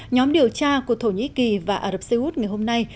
nhóm điều tra của thổ nhĩ kỳ và ả rập xê út ngày hôm nay